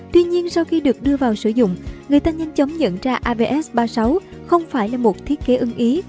tuy nhiên sau khi được đưa vào sử dụng người ta nhanh chóng nhận ra avs ba mươi sáu không phải là một thiết kế ưng ý